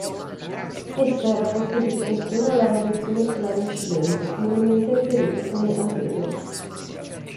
Essa è il rapporto di riflessione alla radiazione solare incidente, comunemente riferito come albedo.